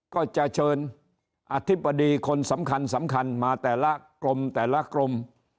ก็จะเชิญอธิบดีคนสำคัญสำคัญมาแต่ละกรมแต่ละกรม